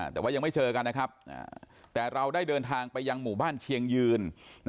แต่ว่ายังไม่เจอกันนะครับแต่เราได้เดินทางไปยังหมู่บ้านเชียงยืน